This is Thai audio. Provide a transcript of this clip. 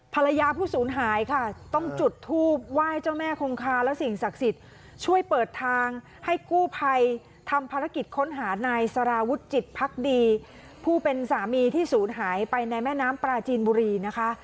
ผู้สูญหายค่ะต้องจุดทูบไหว้เจ้าแม่คงคาและสิ่งศักดิ์สิทธิ์ช่วยเปิดทางให้กู้ภัยทำภารกิจค้นหานายสารวุฒิจิตพักดีผู้เป็นสามีที่ศูนย์หายไปในแม่น้ำปลาจีนบุรีนะคะ